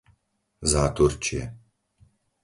Záturčie